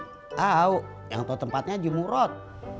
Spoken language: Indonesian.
tau yang tau tempatnya jumurot